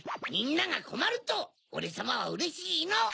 みんながこまるとオレさまはうれしいの！